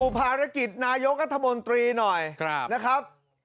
ภารกิจนายกรัฐมนตรีหน่อยนะครับ